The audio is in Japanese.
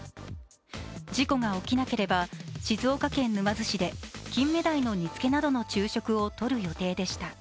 事故が起きなければ、静岡県沼津市で金目鯛の煮付けなどの昼食をとる予定でした。